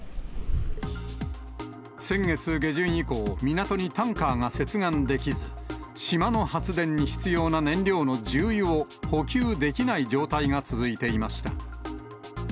先月下旬以降、港にタンカーが接岸できず、島の発電に必要な燃料の重油を補給できない状態が続いていました。